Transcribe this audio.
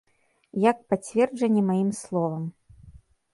Як пацверджанне маім словам.